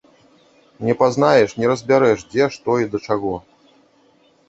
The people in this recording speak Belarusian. Не пазнаеш, не разбярэш, дзе што і да чаго.